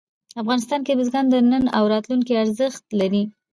افغانستان کې بزګان د نن او راتلونکي ارزښت لري.